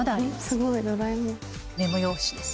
すごいドラえもん。